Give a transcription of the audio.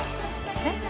えっ？